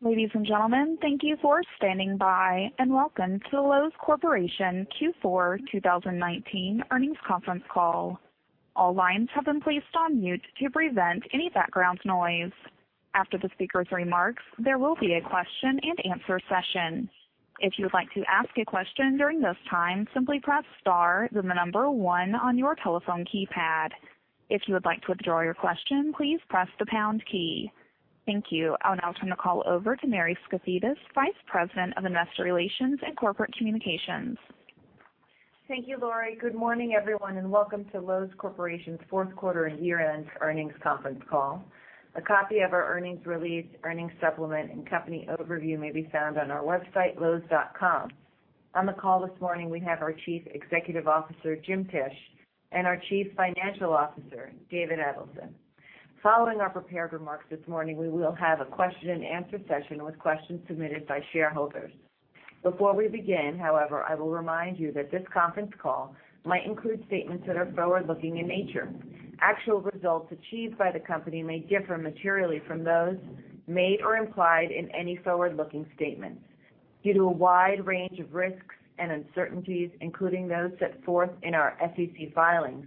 Ladies and gentlemen, thank you for standing by, and welcome to the Loews Corporation Q4 2019 earnings conference call. All lines have been placed on mute to prevent any background noise. After the speaker's remarks, there will be a question and answer session. If you would like to ask a question during this time, simply press star then the number one on your telephone keypad. If you would like to withdraw your question, please press the pound key. Thank you. I'll now turn the call over to Mary Skafidas, Vice President of Investor Relations and Corporate Communications. Thank you, Laurie. Good morning, everyone, and welcome to Loews Corporation's fourth quarter and year-end earnings conference call. A copy of our earnings release, earnings supplement, and company overview may be found on our website, loews.com. On the call this morning, we have our Chief Executive Officer, Jim Tisch, and our Chief Financial Officer, David Edelson. Following our prepared remarks this morning, we will have a question and answer session with questions submitted by shareholders. Before we begin, however, I will remind you that this conference call might include statements that are forward-looking in nature. Actual results achieved by the company may differ materially from those made or implied in any forward-looking statements. Due to a wide range of risks and uncertainties, including those set forth in our SEC filings,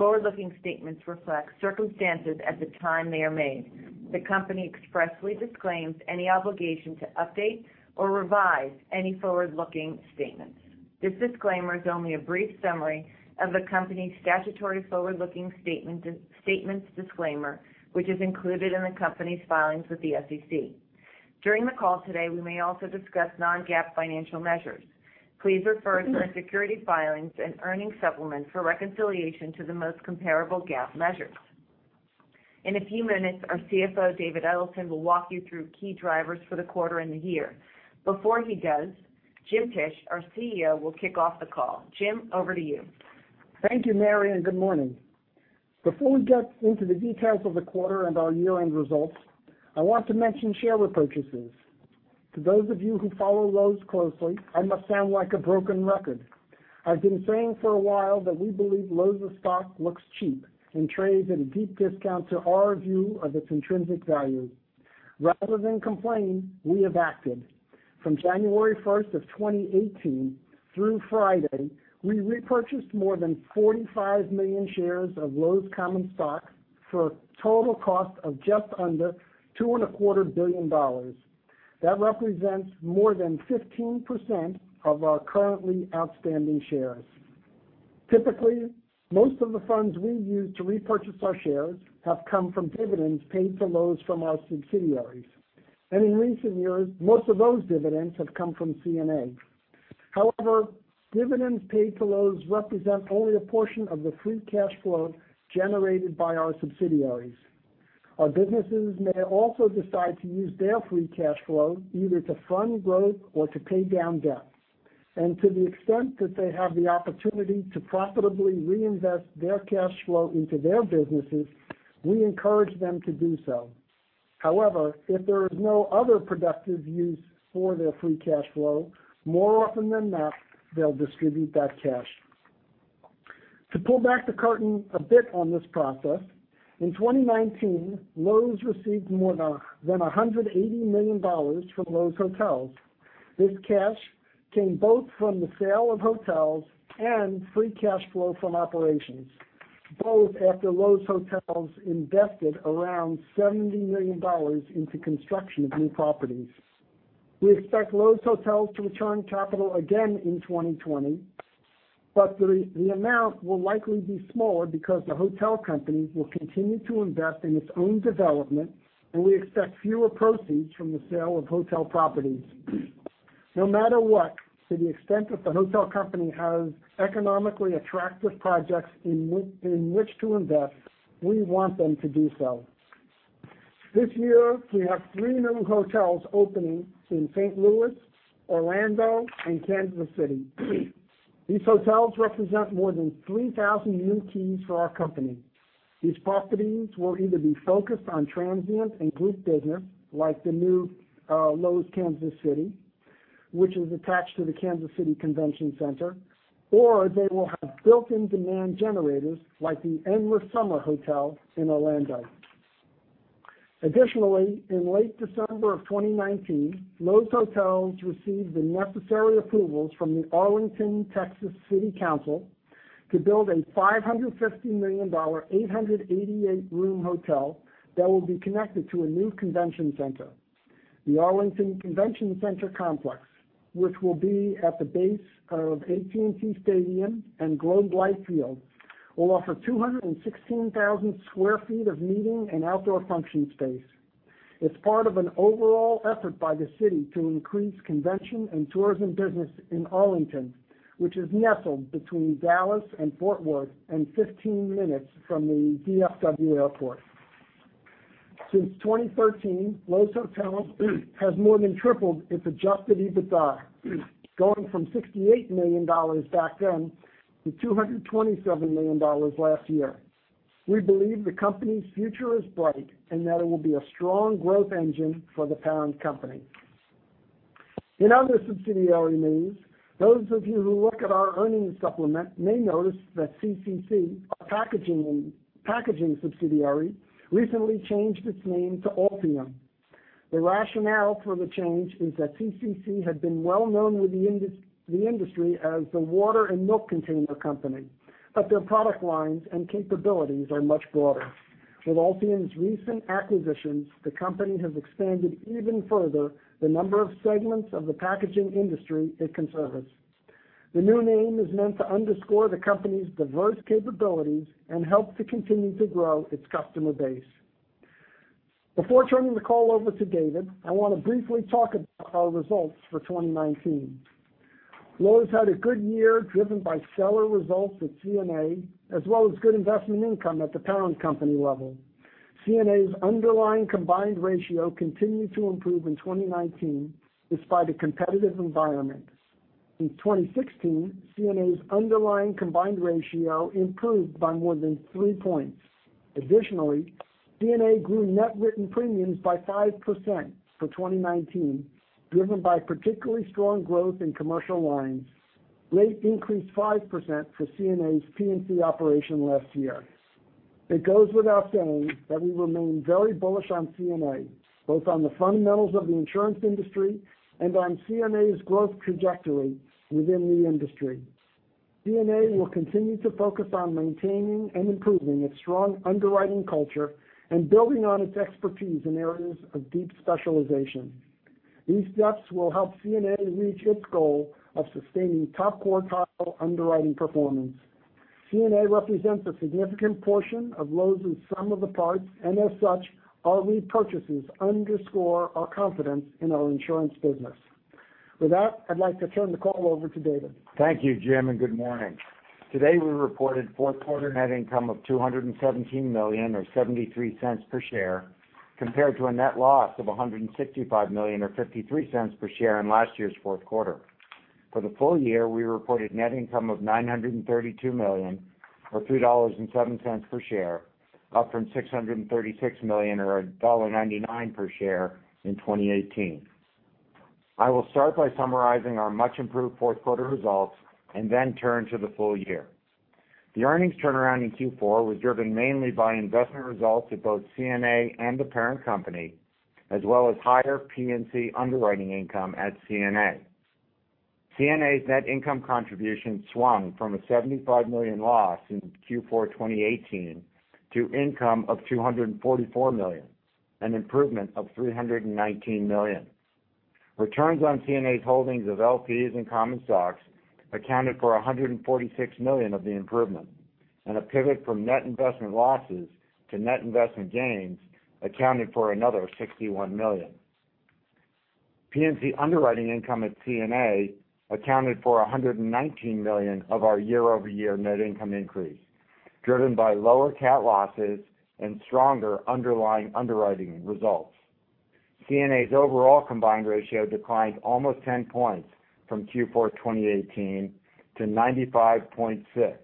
forward-looking statements reflect circumstances at the time they are made. The company expressly disclaims any obligation to update or revise any forward-looking statements. This disclaimer is only a brief summary of the company's statutory forward-looking statements disclaimer, which is included in the company's filings with the SEC. During the call today, we may also discuss non-GAAP financial measures. Please refer to our security filings and earnings supplement for reconciliation to the most comparable GAAP measures. In a few minutes, our CFO, David Edelson, will walk you through key drivers for the quarter and the year. Before he does, Jim Tisch, our CEO, will kick off the call. Jim, over to you. Thank you, Mary. Good morning. Before we get into the details of the quarter and our year-end results, I want to mention share repurchases. To those of you who follow Loews closely, I must sound like a broken record. I've been saying for a while that we believe Loews' stock looks cheap and trades at a deep discount to our view of its intrinsic value. Rather than complain, we have acted. From January 1st of 2018 through Friday, we repurchased more than 45 million shares of Loews common stock for a total cost of just under $2.25 billion. That represents more than 15% of our currently outstanding shares. Typically, most of the funds we use to repurchase our shares have come from dividends paid to Loews from our subsidiaries. In recent years, most of those dividends have come from CNA. However, dividends paid to Loews represent only a portion of the free cash flow generated by our subsidiaries. Our businesses may also decide to use their free cash flow either to fund growth or to pay down debt. To the extent that they have the opportunity to profitably reinvest their cash flow into their businesses, we encourage them to do so. However, if there is no other productive use for their free cash flow, more often than not, they'll distribute that cash. To pull back the curtain a bit on this process, in 2019, Loews received more than $180 million from Loews Hotels. This cash came both from the sale of hotels and free cash flow from operations, both after Loews Hotels invested around $70 million into construction of new properties. We expect Loews Hotels to return capital again in 2020. The amount will likely be smaller because the hotel company will continue to invest in its own development, and we expect fewer proceeds from the sale of hotel properties. No matter what, to the extent that the hotel company has economically attractive projects in which to invest, we want them to do so. This year, we have three new hotels opening in St. Louis, Orlando, and Kansas City. These hotels represent more than 3,000 new keys for our company. These properties will either be focused on transient and group business, like the new Loews Kansas City, which is attached to the Kansas City Convention Center, or they will have built-in demand generators like the Universal's Endless Summer Resort in Orlando. Additionally, in late December of 2019, Loews Hotels received the necessary approvals from the Arlington, Texas, City Council to build a $550 million 888-room hotel that will be connected to a new convention center. The Arlington Convention Center complex, which will be at the base of AT&T Stadium and Globe Life Field, will offer 216,000 sq ft of meeting and outdoor function space. It's part of an overall effort by the city to increase convention and tourism business in Arlington, which is nestled between Dallas and Fort Worth and 15 minutes from the DFW Airport. Since 2013, Loews Hotels has more than tripled its adjusted EBITDA, going from $68 million back then to $227 million last year. We believe the company's future is bright and that it will be a strong growth engine for the parent company. In other subsidiary news, those of you who look at our earnings supplement may notice that CCC, our packaging subsidiary, recently changed its name to Altium. The rationale for the change is that CCC had been well known with the industry as the water and milk container company, but their product lines and capabilities are much broader. With Altium's recent acquisitions, the company has expanded even further the number of segments of the packaging industry it can service. The new name is meant to underscore the company's diverse capabilities and help to continue to grow its customer base. Before turning the call over to David, I want to briefly talk about our results for 2019. Loews had a good year, driven by stellar results at CNA, as well as good investment income at the parent company level. CNA's underlying combined ratio continued to improve in 2019 despite a competitive environment. Since 2016, CNA's underlying combined ratio improved by more than three points. Additionally, CNA grew net written premiums by 5% for 2019, driven by particularly strong growth in commercial lines, rate increased 5% for CNA's P&C operation last year. It goes without saying that we remain very bullish on CNA, both on the fundamentals of the insurance industry and on CNA's growth trajectory within the industry. CNA will continue to focus on maintaining and improving its strong underwriting culture and building on its expertise in areas of deep specialization. These steps will help CNA reach its goal of sustaining top quartile underwriting performance. CNA represents a significant portion of Loews' and sum-of-the-parts, and as such, our repurchases underscore our confidence in our insurance business. With that, I'd like to turn the call over to David. Thank you, Jim, and good morning. Today we reported fourth quarter net income of $217 million, or $0.73 per share, compared to a net loss of $165 million, or $0.53 per share in last year's fourth quarter. For the full year, we reported net income of $932 million or $3.07 per share, up from $636 million or $1.99 per share in 2018. I will start by summarizing our much improved fourth quarter results and then turn to the full year. The earnings turnaround in Q4 was driven mainly by investment results at both CNA and the parent company, as well as higher P&C underwriting income at CNA. CNA's net income contribution swung from a $75 million loss in Q4 2018 to income of $244 million, an improvement of $319 million. Returns on CNA's holdings of LPs and common stocks accounted for $146 million of the improvement, and a pivot from net investment losses to net investment gains accounted for another $61 million. P&C underwriting income at CNA accounted for $119 million of our year-over-year net income increase, driven by lower cat losses and stronger underlying underwriting results. CNA's overall combined ratio declined almost 10 points from Q4 2018 to 95.6,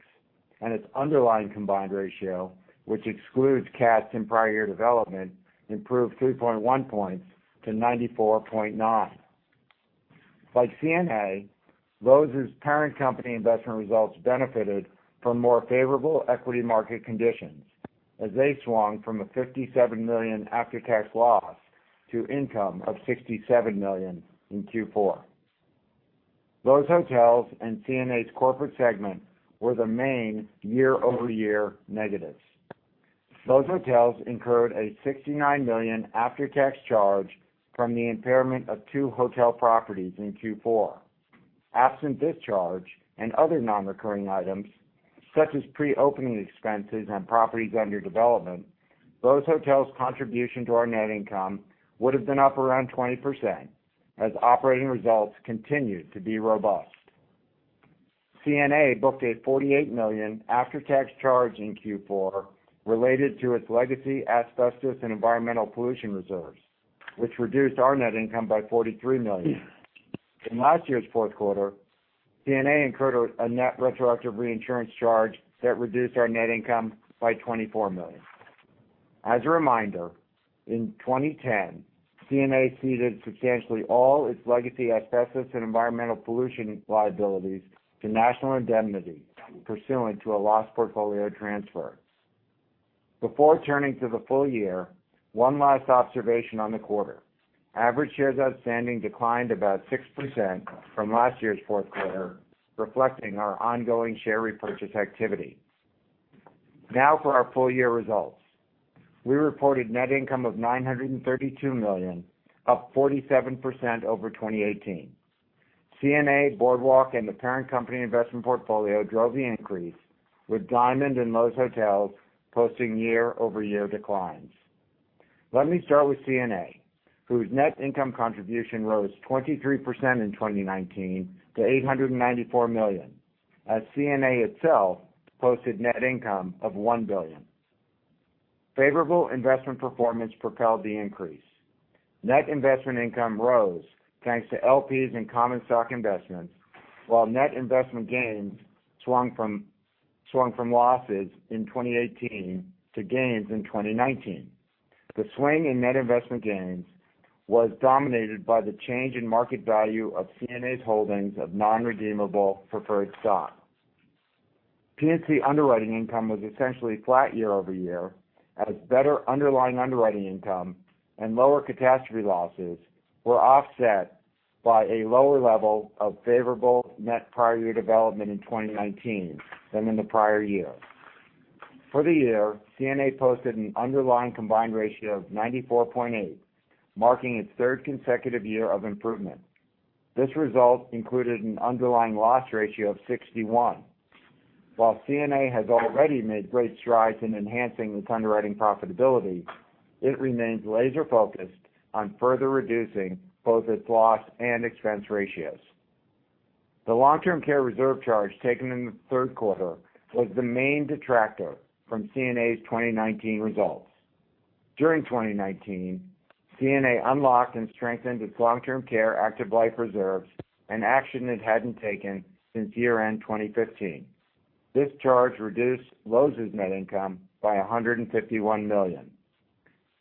and its underlying combined ratio, which excludes cats and prior year development, improved 3.1 points to 94.9. Like CNA, Loews's parent company investment results benefited from more favorable equity market conditions as they swung from a $57 million after-tax loss to income of $67 million in Q4. Loews Hotels and CNA's corporate segment were the main year-over-year negatives. Loews Hotels incurred a $69 million after-tax charge from the impairment of two hotel properties in Q4. Absent this charge and other non-recurring items, such as pre-opening expenses on properties under development, Loews Hotels' contribution to our net income would have been up around 20% as operating results continued to be robust. CNA booked a $48 million after-tax charge in Q4 related to its legacy asbestos and environmental pollution reserves, which reduced our net income by $43 million. In last year's fourth quarter, CNA incurred a net retroactive reinsurance charge that reduced our net income by $24 million. As a reminder, in 2010, CNA ceded substantially all its legacy asbestos and environmental pollution liabilities to National Indemnity pursuant to a loss portfolio transfer. Before turning to the full year, one last observation on the quarter. Average shares outstanding declined about 6% from last year's fourth quarter, reflecting our ongoing share repurchase activity. Now for our full year results. We reported net income of $932 million, up 47% over 2018. CNA, Boardwalk, and the parent company investment portfolio drove the increase, with Diamond and Loews Hotels posting year-over-year declines. Let me start with CNA, whose net income contribution rose 23% in 2019 to $894 million as CNA itself posted net income of $1 billion. Favorable investment performance propelled the increase. Net investment income rose thanks to LPs and common stock investments, while net investment gains swung from losses in 2018 to gains in 2019. The swing in net investment gains was dominated by the change in market value of CNA's holdings of non-redeemable preferred stock. P&C underwriting income was essentially flat year-over-year, as better underlying underwriting income and lower catastrophe losses were offset by a lower level of favorable net prior year development in 2019 than in the prior year. For the year, CNA posted an underlying combined ratio of 94.8%, marking its third consecutive year of improvement. This result included an underlying loss ratio of 61%. While CNA has already made great strides in enhancing its underwriting profitability, it remains laser-focused on further reducing both its loss and expense ratios. The long-term care reserve charge taken in the third quarter was the main detractor from CNA's 2019 results. During 2019, CNA unlocked and strengthened its long-term care active life reserves, an action it hadn't taken since year-end 2015. This charge reduced Loews' net income by $151 million.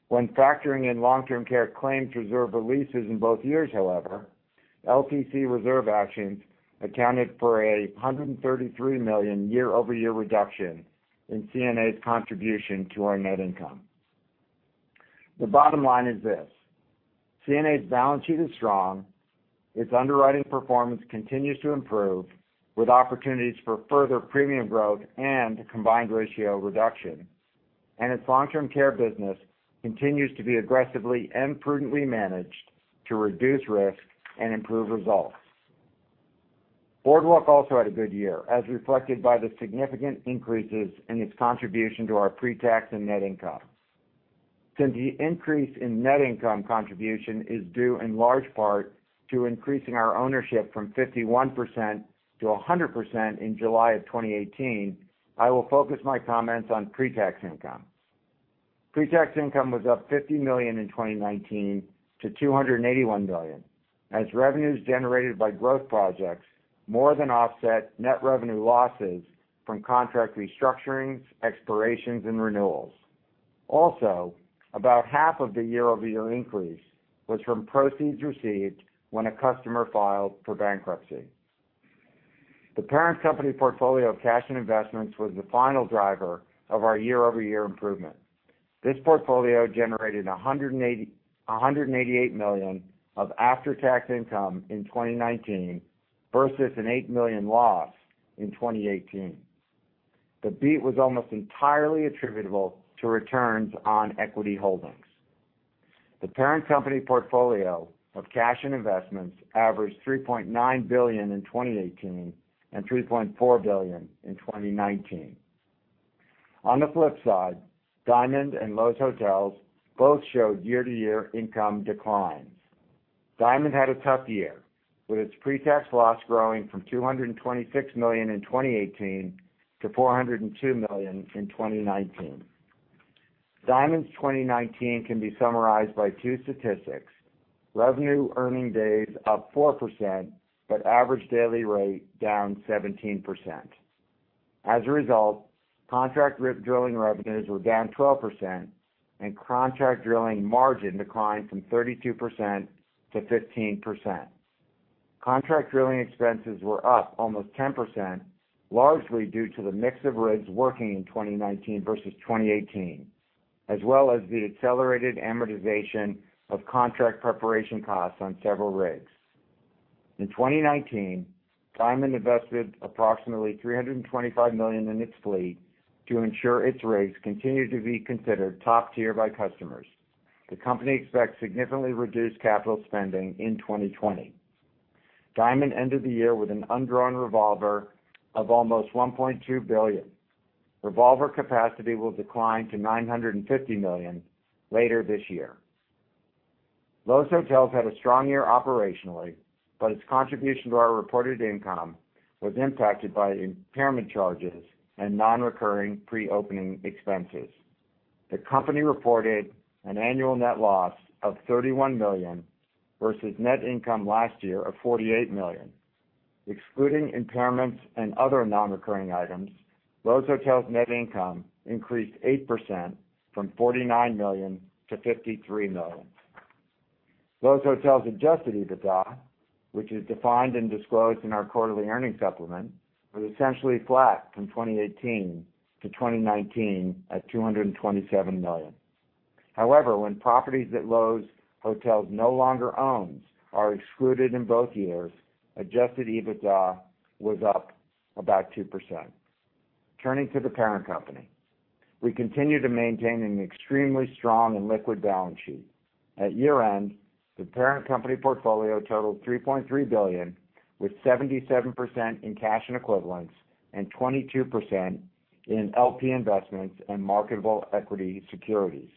When factoring in long-term care claims reserve releases in both years, however, LTC reserve actions accounted for $133 million year-over-year reduction in CNA's contribution to our net income. The bottom line is this, CNA's balance sheet is strong, its underwriting performance continues to improve, with opportunities for further premium growth and combined ratio reduction, and its long-term care business continues to be aggressively and prudently managed to reduce risk and improve results. Boardwalk also had a good year, as reflected by the significant increases in its contribution to our pre-tax and net income. Since the increase in net income contribution is due in large part to increasing our ownership from 51% to 100% in July of 2018, I will focus my comments on pre-tax income. Pre-tax income was up $50 million in 2019 to $281 million, as revenues generated by growth projects more than offset net revenue losses from contract restructurings, expirations, and renewals. About half of the year-over-year increase was from proceeds received when a customer filed for bankruptcy. The parent company portfolio of cash and investments was the final driver of our year-over-year improvement. This portfolio generated $188 million of after-tax income in 2019 versus an $8 million loss in 2018. The beat was almost entirely attributable to returns on equity holdings. The parent company portfolio of cash and investments averaged $3.9 billion in 2018 and $3.4 billion in 2019. On the flip side, Diamond and Loews Hotels both showed year-to-year income declines. Diamond had a tough year, with its pre-tax loss growing from $226 million in 2018 to $402 million in 2019. Diamond's 2019 can be summarized by two statistics, revenue earning days up 4%, but average daily rate down 17%. As a result, contract drilling revenues were down 12%, and contract drilling margin declined from 32%-15%. Contract drilling expenses were up almost 10%, largely due to the mix of rigs working in 2019 versus 2018, as well as the accelerated amortization of contract preparation costs on several rigs. In 2019, Diamond invested approximately $325 million in its fleet to ensure its rigs continue to be considered top tier by customers. The company expects significantly reduced capital spending in 2020. Diamond ended the year with an undrawn revolver of almost $1.2 billion. Revolver capacity will decline to $950 million later this year. Loews Hotels had a strong year operationally, but its contribution to our reported income was impacted by impairment charges and non-recurring pre-opening expenses. The company reported an annual net loss of $31 million versus net income last year of $48 million. Excluding impairments and other non-recurring items, Loews Hotels' net income increased 8%, from $49 million to $53 million. Loews Hotels' adjusted EBITDA, which is defined and disclosed in our quarterly earnings supplement, was essentially flat from 2018-2019 at $227 million. However, when properties that Loews Hotels no longer owns are excluded in both years, adjusted EBITDA was up about 2%. Turning to the parent company, we continue to maintain an extremely strong and liquid balance sheet. At year-end, the parent company portfolio totaled $3.3 billion, with 77% in cash and equivalents and 22% in LP investments and marketable equity securities.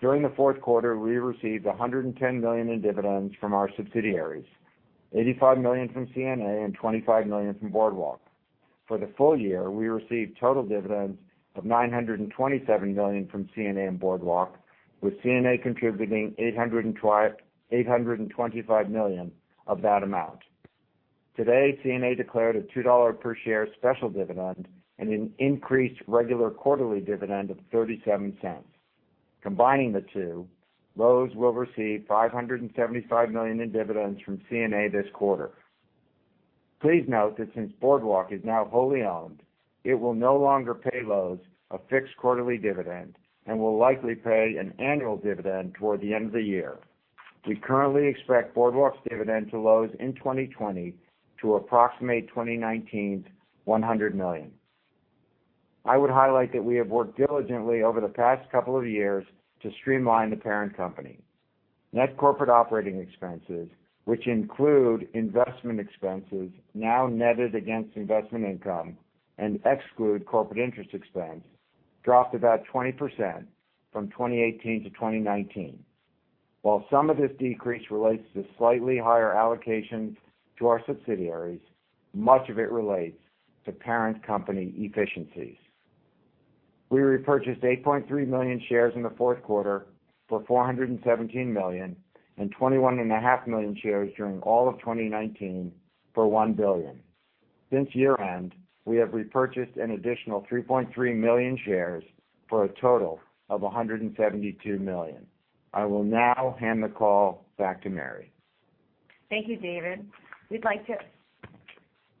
During the fourth quarter, we received $110 million in dividends from our subsidiaries, $85 million from CNA and $25 million from Boardwalk. For the full year, we received total dividends of $927 million from CNA and Boardwalk, with CNA contributing $825 million of that amount. Today, CNA declared a $2 per share special dividend and an increased regular quarterly dividend of $0.37. Combining the two, Loews will receive $575 million in dividends from CNA this quarter. Please note that since Boardwalk is now wholly owned, it will no longer pay Loews a fixed quarterly dividend and will likely pay an annual dividend toward the end of the year. We currently expect Boardwalk's dividend to Loews in 2020 to approximate 2019's $100 million. I would highlight that we have worked diligently over the past couple of years to streamline the parent company. Net corporate operating expenses, which include investment expenses now netted against investment income and exclude corporate interest expense, dropped about 20% from 2018 to 2019. While some of this decrease relates to slightly higher allocations to our subsidiaries, much of it relates to parent company efficiencies. We repurchased 8.3 million shares in the fourth quarter for $417 million and 21.5 million shares during all of 2019 for $1 billion. Since year-end, we have repurchased an additional 3.3 million shares for a total of $172 million. I will now hand the call back to Mary. Thank you, David. We'd like to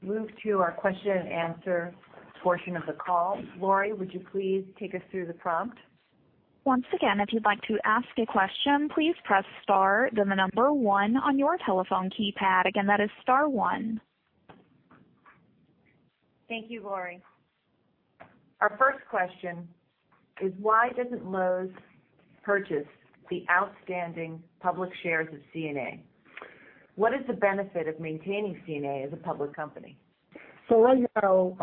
move to our question and answer portion of the call. Laurie, would you please take us through the prompt? Once again, if you'd like to ask a question, please press star, then the number one on your telephone keypad. Again, that is star one. Thank you, Laurie. Our first question is, why doesn't Loews purchase the outstanding public shares of CNA? What is the benefit of maintaining CNA as a public company? Right now,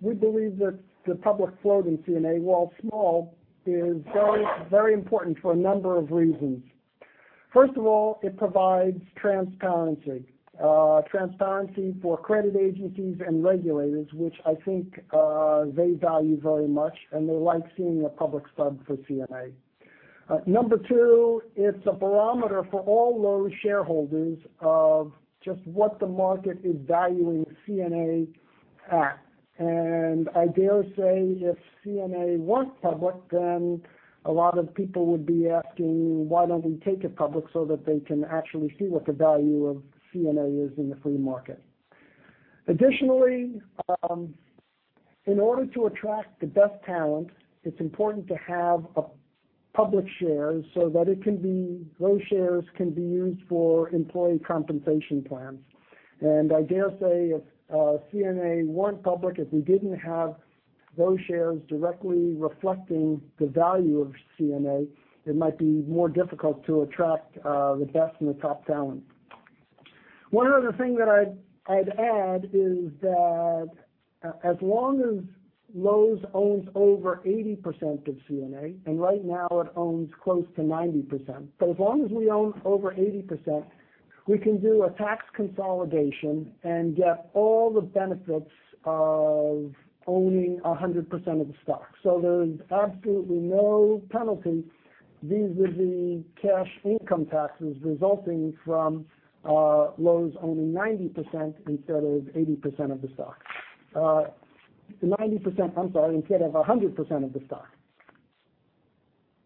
we believe that the public float in CNA, while small, is very important for a number of reasons. First of all, it provides transparency. Transparency for credit agencies and regulators, which I think they value very much, and they like seeing a public sub for CNA. Number two, it's a barometer for all Loews shareholders of just what the market is valuing CNA at. I dare say, if CNA weren't public, then a lot of people would be asking, why don't we take it public so that they can actually see what the value of CNA is in the free market. Additionally, in order to attract the best talent, it's important to have public shares so that those shares can be used for employee compensation plans. I dare say, if CNA weren't public, if we didn't have those shares directly reflecting the value of CNA, it might be more difficult to attract the best and the top talent. One other thing that I'd add is that as long as Loews owns over 80% of CNA, and right now it owns close to 90%, but as long as we own over 80%, we can do a tax consolidation and get all the benefits of owning 100% of the stock. There's absolutely no penalty vis-à-vis cash income taxes resulting from Loews owning 90% instead of 80% of the stock. 90%, I'm sorry, instead of 100% of the stock.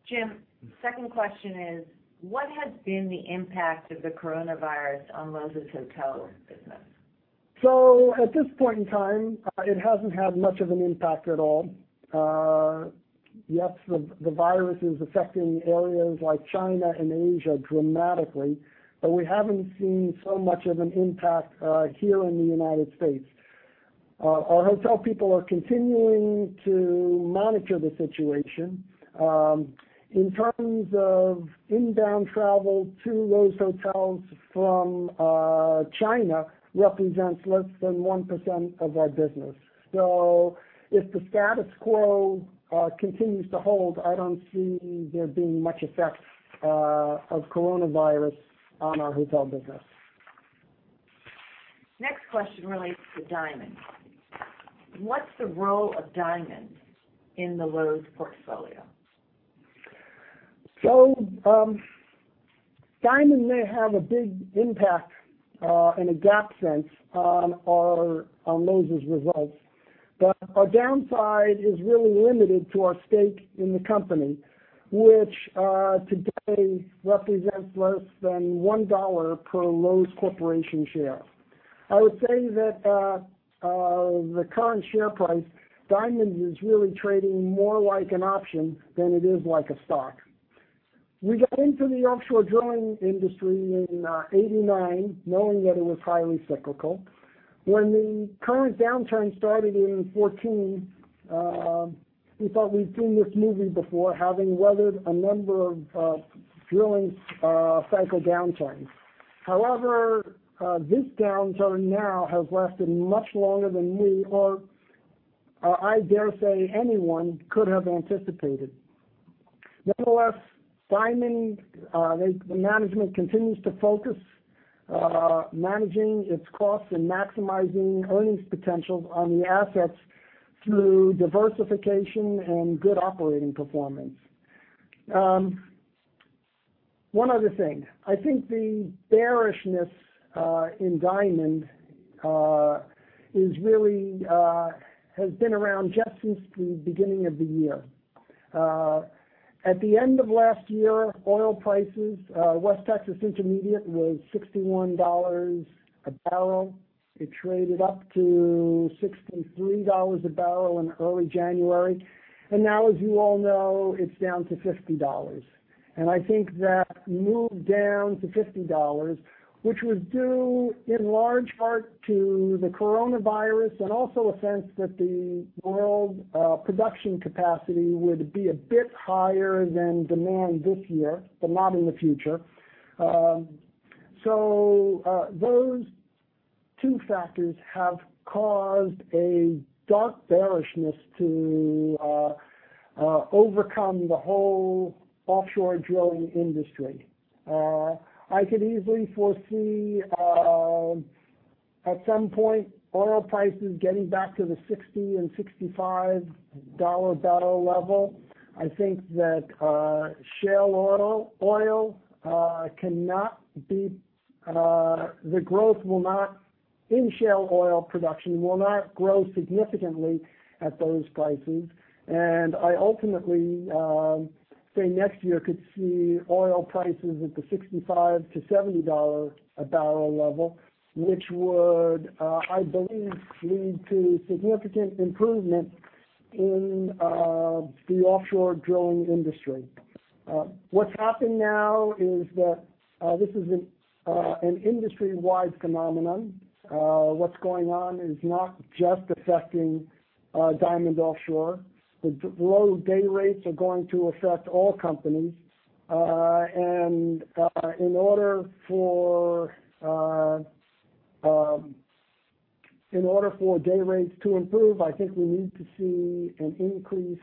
Jim, second question is, what has been the impact of the coronavirus on Loews Hotels business? At this point in time, it hasn't had much of an impact at all. Yes, the virus is affecting areas like China and Asia dramatically, but we haven't seen so much of an impact here in the U.S. Our hotel people are continuing to monitor the situation. In terms of inbound travel to Loews Hotels from China represents less than 1% of our business. If the status quo continues to hold, I don't see there being much effect of coronavirus on our hotel business. Next question relates to Diamond. What's the role of Diamond in the Loews portfolio? Diamond may have a big impact in a GAAP sense on Loews' results, but our downside is really limited to our stake in the company, which today represents less than $1 per Loews Corporation share. I would say that the current share price, Diamond is really trading more like an option than it is like a stock. We got into the offshore drilling industry in 1989, knowing that it was highly cyclical. When the current downturn started in 2014, we thought we'd seen this movie before, having weathered a number of drilling cycle downturns. This downturn now has lasted much longer than we, or I dare say, anyone could have anticipated. Diamond, the management continues to focus, managing its costs and maximizing earnings potential on the assets through diversification and good operating performance. One other thing. I think the bearishness in Diamond has been around just since the beginning of the year. At the end of last year, oil prices, West Texas Intermediate was $61 a barrel. It traded up to $63 a barrel in early January, and now, as you all know, it's down to $50. I think that move down to $50, which was due in large part to the coronavirus and also a sense that the world production capacity would be a bit higher than demand this year, but not in the future. Those two factors have caused a dark bearishness to overcome the whole offshore drilling industry. I could easily foresee at some point oil prices getting back to the $60 and $65 a barrel level. I think that the growth in shale oil production will not grow significantly at those prices. I ultimately say next year could see oil prices at the $65-$70 a barrel level, which would, I believe, lead to significant improvement in the offshore drilling industry. What's happened now is that this is an industry-wide phenomenon. What's going on is not just affecting Diamond Offshore. The low day rates are going to affect all companies. In order for day rates to improve, I think we need to see an increase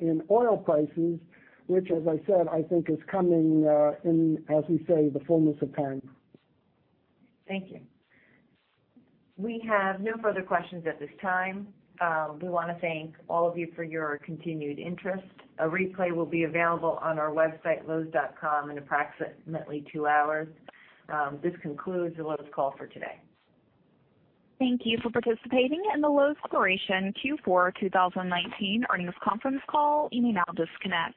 in oil prices, which as I said, I think is coming in, as we say, the fullness of time. Thank you. We have no further questions at this time. We want to thank all of you for your continued interest. A replay will be available on our website, loews.com, in approximately two hours. This concludes the Loews call for today. Thank you for participating in the Loews Corporation Q4 2019 earnings conference call. You may now disconnect.